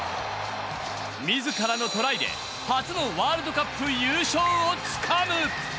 自らのトライで初のワールドカップ優勝をつかむ。